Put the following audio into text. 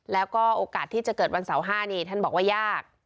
แล้วก็โอกาสที่จะเกิดวันเสาร์๕นี่ท่านบอกว่ายาก